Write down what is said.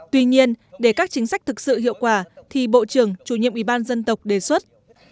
tuy nhiên để các chính sách thực sự hiệu quả thì bộ trưởng chủ nhiệm ủy ban dân tộc đề xuất